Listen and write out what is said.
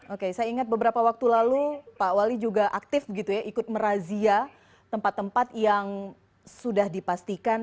oke saya ingat beberapa waktu lalu pak wali juga aktif ikut merazia tempat tempat yang sudah dipastikan